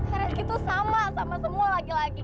kak rezki tuh sama sama semua laki laki